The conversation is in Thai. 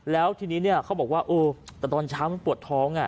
แล้วทีนี้เขาบอกว่าเออแต่ตอนเช้ามันปวดท้อง